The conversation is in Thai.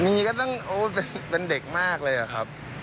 มีก็ต้องเป็นเด็กมากเลยอะครับ